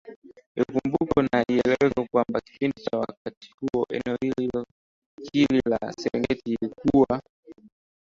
Ikumbukwe na ieleweke ya kwamba kipindi cha wakati huo eneo hili la Serengeti ilikuwa